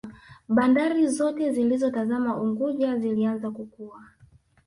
Bandari Zote zilizotazama Unguja zilianza kukua